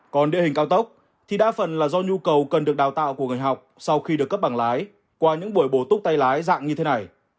còn địa hình cao tốc thì đa phần là do nhu cầu cần được đào tạo của người học sau khi được cấp bằng lái qua những buổi bổ túc tay lái dạng như thế này